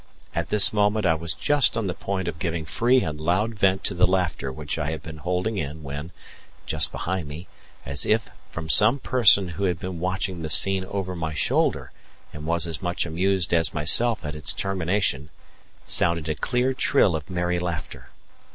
At this moment I was just on the point of giving free and loud vent to the laughter which I had been holding in when, just behind me, as if from some person who had been watching the scene over my shoulder and was as much amused as myself at its termination, sounded a clear trill of merry laughter.